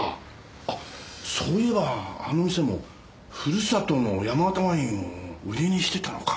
あっそういえばあの店もふるさとの山形ワインを売りにしてたのか。